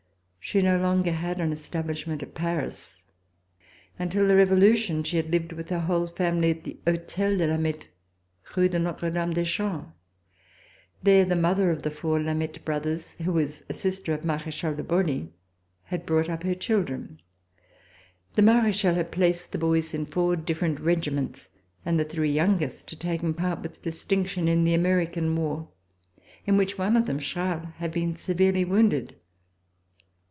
She no longer had an establishment at Paris. Until the Revolution she had lived with her whole family at the Hotel de Lameth, Rue Notre Dame des Champs. There the mother of the four Lameth brothers, who was a sister of Marechal de Broglie, had brought up her children. The Marechal had placed the boys in four different regiments, and the three youngest had taken part with distinction in the American war, in which one of them, Charles, had been severely wounded.